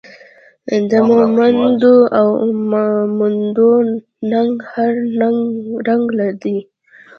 د مومندو او ماموندو ننګ هر رنګ دی